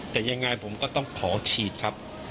แต่ยังไงผมก็ต้องขอฉีดครับ